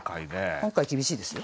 今回厳しいですよ。